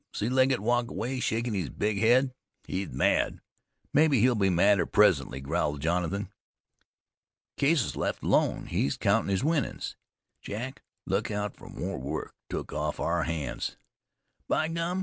See Legget walk away shakin' his big head. He's mad. Mebbe he'll be madder presently," growled Jonathan. "Case's left alone. He's countin' his winnin's. Jack, look out fer more work took off our hands." "By gum!